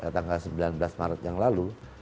tanggal sembilan belas maret yang lalu